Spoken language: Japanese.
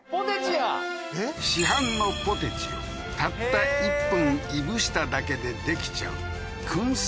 市販のポテチをたった１分燻しただけで出来ちゃう燻製